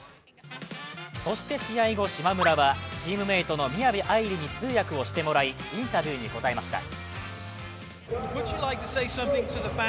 そして試合後、島村はチームメートの宮部藍梨に通訳をしてもらい、インタビューに答えました。